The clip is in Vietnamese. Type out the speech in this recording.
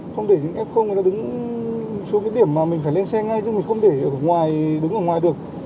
không để những f nó đứng xuống cái điểm mà mình phải lên xe ngay chứ mình không để ở ngoài đứng ở ngoài được